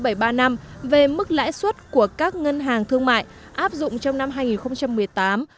quy định số hai nghìn bảy trăm ba mươi năm về mức lãi suất của các ngân hàng thương mại áp dụng trong năm hai nghìn một mươi tám